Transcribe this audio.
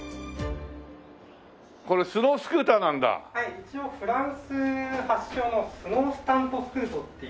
一応フランス発祥のスノースタントスクートっていう。